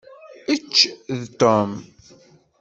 Ečč d Tom!